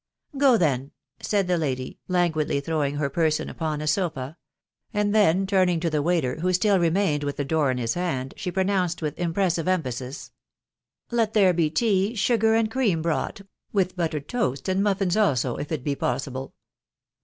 "Go, then/' said the lady, languidly throwing her person upon a sofa ; and then turning to the waiter, who still re mained with the door in his hand, she pronounced with im <■ pressive emphasis, — u Let there be tea, sugar, and cream brought, with buttered toast, and muffins also, if it be possible.